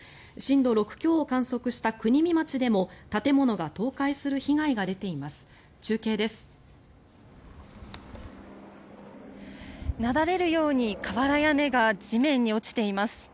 震度６強を観測した国見町でも建物が倒壊する被害が出ています。